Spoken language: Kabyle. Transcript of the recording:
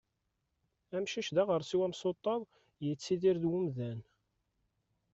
Amcic d aɣersiw amsuṭṭaḍ, yettidir d umdan.